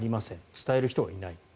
伝える人がいない。